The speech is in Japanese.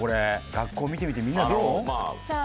「学校見てみてみんなどう？」。